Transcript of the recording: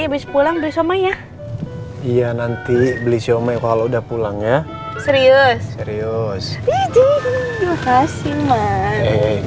habis pulang besoknya iya nanti beli siomay kalau udah pulang ya serius serius itu juga sih